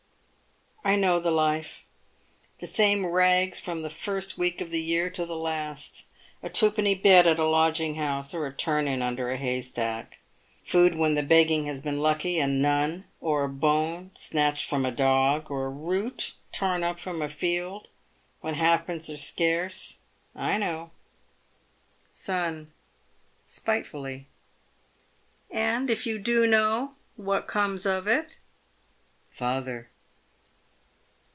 I know the life — the same rags from the first week of the year to the last — a twopenny bed at a lodging house, or a turn in under a hay stack. Pood when the begging has been lucky, and none, or a bone snatched from a dog, or a root torn up from a field, when halfpence are scarce. I know. Son (spitefully). And, if you do know, what comes of it ? Father.